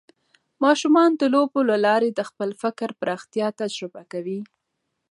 ماشومان د لوبو له لارې د خپل فکر پراختیا تجربه کوي.